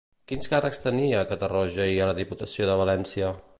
Quins càrrecs tenia a Catarroja i a la Diputació de València?